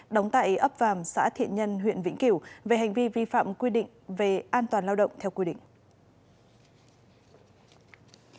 đóng tại ấp vàm xã thiện nhân huyện vĩnh kiểu về hành vi vi phạm quy định về an toàn lao động theo quy định